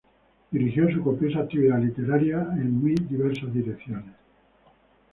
Dirigió su copiosa actividad literaria en muy diversas direcciones.